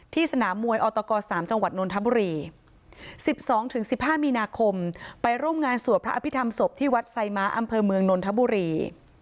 สนามมวยอตก๓จังหวัดนนทบุรี๑๒๑๕มีนาคมไปร่วมงานสวดพระอภิษฐรรมศพที่วัดไซม้าอำเภอเมืองนนทบุรี